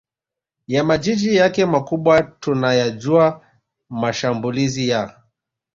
ya majiji yake makubwa Tunayajua mashambulizi ya